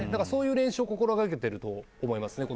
そういう練習を心掛けていると思います